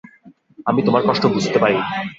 আমি তোমার কষ্ট বুঝতে পারি।